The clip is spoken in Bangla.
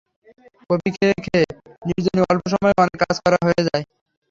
কফি খেয়ে খেয়ে নির্জনে অল্প সময়ে অনেক কাজ করা হয়ে যায়।